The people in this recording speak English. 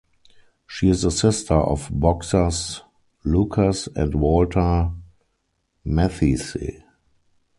She is the sister of boxers Lucas and Walter Matthysse.